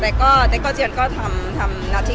แต่คนที่คิดว่าเป็นเราอะไรเงี้ย